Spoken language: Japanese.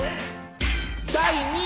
第２位。